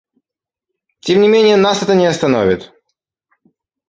Тем не менее нас это не остановит.